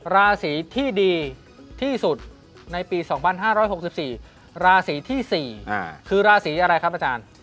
ราศีที่ดีที่สุดในปี๒๕๖๔ราศีที่๔คือราศีอะไรครับอาจารย์